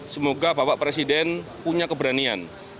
semoga bapak presiden punya keberanian